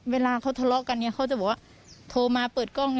เวลาเขาทะเลาะกันเนี่ยเขาจะบอกว่าโทรมาเปิดกล้อง